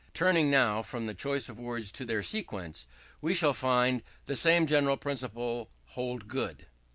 Turning now from the choice of words to their sequence, we shall find the same general principle hold good.